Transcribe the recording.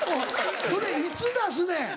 それいつ出すねん。